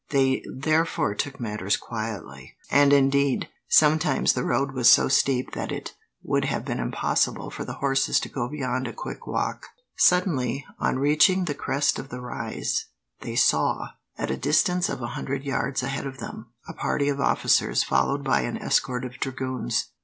They therefore took matters quietly, and indeed, sometimes the road was so steep that it would have been impossible for the horses to go beyond a quick walk. Suddenly, on reaching the crest of the rise, they saw, at a distance of a hundred yards ahead of them, a party of officers, followed by an escort of dragoons.